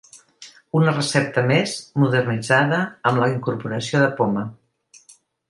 Una recepta més modernitzada amb la incorporació de poma.